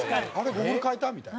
ゴーグル替えた？みたいな。